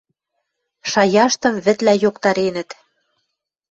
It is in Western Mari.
Шаяштым вӹдлӓ йоктаренӹт.